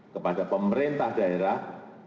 kepada pemerintah daerah